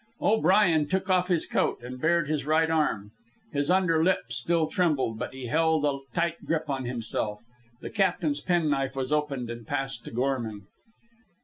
O'Brien took off his coat and bared his right arm. His under lip still trembled, but he held a tight grip on himself. The captain's penknife was opened and passed to Gorman.